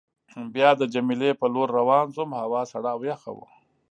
بیا د جميله په لور روان شوم، هوا سړه او یخه وه.